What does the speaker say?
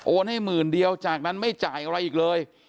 ให้หมื่นเดียวจากนั้นไม่จ่ายอะไรอีกเลย